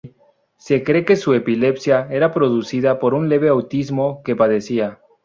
Se cree que su epilepsia era producida por un leve autismo que padecía.